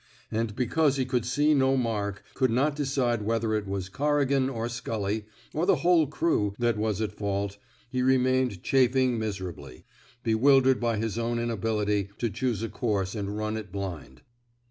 And because he could see no mark — could not decide whether it was Corrigan, or Scully, or the whole crew that was at fault — he remained chafing miserably, bewildered by his own inability to choose a course and run it blind.